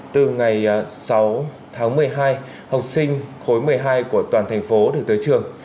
từ ngày sáu tháng một mươi hai học sinh khối một mươi hai của toàn thành phố được tới trường